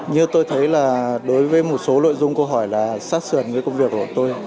như tôi thấy là đối với một số nội dung câu hỏi là sát sườn với công việc của tôi